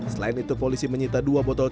selain itu polisi menyita dua botol